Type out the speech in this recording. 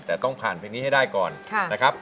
แต่ต้องผ่านเพลงนี้ให้ได้ก่อนนะครับ